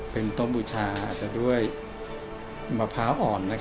เป็นโต๊ะบูชาอาจจะด้วยมะพร้าวอ่อน